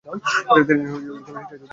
তিনি শিক্ষা প্রতিমন্ত্রী ছিলেন।